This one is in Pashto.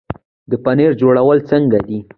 د پنیر جوړول څنګه دي؟